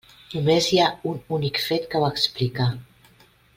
Només hi ha un únic fet que ho explica.